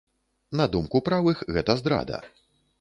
На думку правых, гэта здрада.